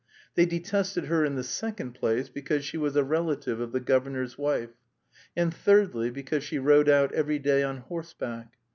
They detested her in the second place because she was a relative of the governor's wife, and thirdly because she rode out every day on horseback.